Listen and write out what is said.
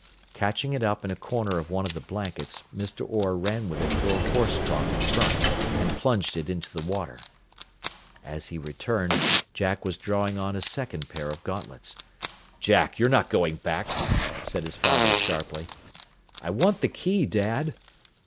Catching it up in a corner of one of the blankets Mr. Orr ran with it to a horse trough in front, and plunged it into the water. As he returned Jack was drawing on a second pair of gauntlets. "Jack, you're not going back!" said his father sharply. "I want the key, Dad."